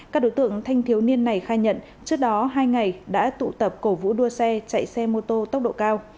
các đối tượng thanh thiếu niên này khai nhận trước đó hai ngày đã tụ tập cổ vũ đua xe chạy xe mô tô tốc độ cao